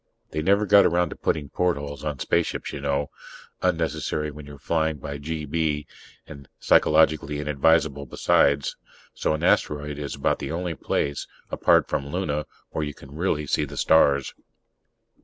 They never got around to putting portholes in spaceships, you know unnecessary when you're flying by GB, and psychologically inadvisable, besides so an asteroid is about the only place, apart from Luna, where you can really see the stars.